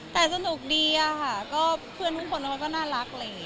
แต่สนุกดีค่ะเพื่อนทุกคนเราก็น่ารัก